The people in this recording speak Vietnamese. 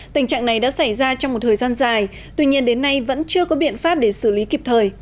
tình trạng này đã xảy ra trong một thời gian dài tuy nhiên đến nay vẫn chưa có biện pháp để xử lý kịp thời